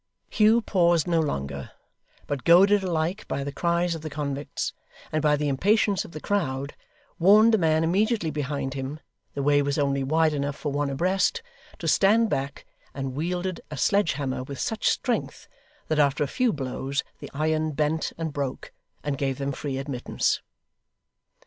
Hugh paused no longer, but goaded alike by the cries of the convicts, and by the impatience of the crowd, warned the man immediately behind him the way was only wide enough for one abreast to stand back, and wielded a sledge hammer with such strength, that after a few blows the iron bent and broke, and gave them free admittance.